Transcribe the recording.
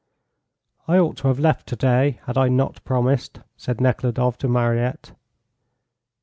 "I ought to have left to day, had I not promised," said Nekhludoff to Mariette.